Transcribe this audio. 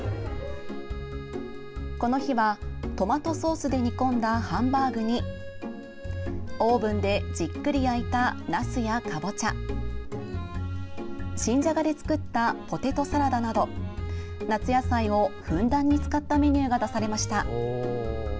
この日は、トマトソースで煮込んだハンバーグにオーブンでじっくり焼いたなすや、かぼちゃ新じゃがで作ったポテトサラダなど夏野菜をふんだんに使ったメニューが出されました。